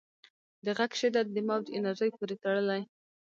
د غږ شدت د موج انرژۍ پورې تړلی.